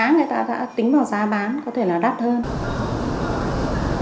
người ta sẽ tính vào giá bán có thể là đắt hơn